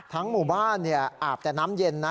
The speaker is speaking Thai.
ทั้งหมู่บ้านเนี่ยอาบแต่น้ำเย็นนะ